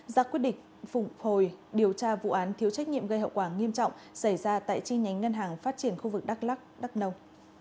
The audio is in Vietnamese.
ra quyết định phục hồi điều tra vụ án thiếu trách nhiệm gây hậu quả nghiêm trọng xảy ra tại chi nhánh ngân hàng phát triển khu vực đắk lắc đắk nông